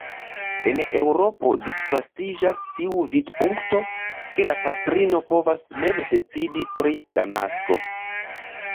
En Eŭropo disvastiĝas tiu vidpunkto, ke la patrino povas mem decidi pri la nasko.